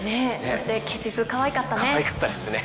そして血塗かわいかったね。